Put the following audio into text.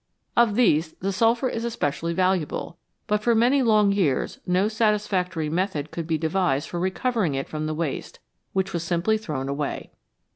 Of these, the sulphur is especially valuable, but for many long years no satisfactory method could be devised for recovering it from the waste, which was simply thrown away.